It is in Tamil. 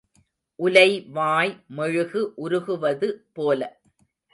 உலை வாய் மெழுகு உருகுவது போல.